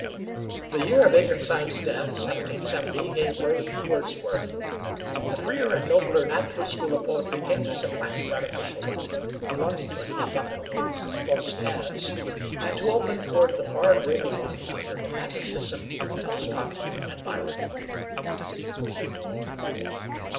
The year of Akenside's death (1770) gave birth to Wordsworth. The freer and nobler natural school of poetry came to supplant the artificial one, belonging to an epoch of wigs and false calves, and to open toward the far greater one of the romanticism of Scott and Byron.